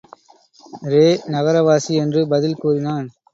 ரே நகரவாசி என்று பதில் கூறினான்.